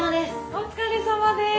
お疲れさまです。